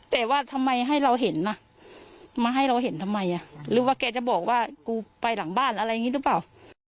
แต่ว่าทำไมให้เราเห็นนะมาให้เราเห็นทำไมหรือว่าแกจะบอกว่ากูไปหลังบ้านอะไรอย่างนี้หรือเปล่า